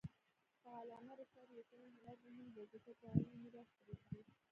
د علامه رشاد لیکنی هنر مهم دی ځکه چې علمي میراث پرېږدي.